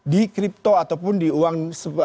di crypto ataupun di uang